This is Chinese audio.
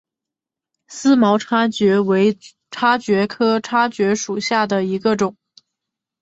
思茅叉蕨为叉蕨科叉蕨属下的一个种。